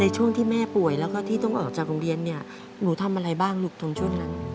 ช่วงที่แม่ป่วยแล้วก็ที่ต้องออกจากโรงเรียนเนี่ยหนูทำอะไรบ้างลูกตรงช่วงนั้น